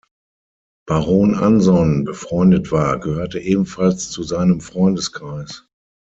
Baron Anson befreundet war, gehörte ebenfalls zu seinem Freundeskreis.